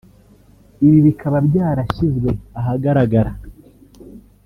Ibi bikaba byarashyizwe ahagaragara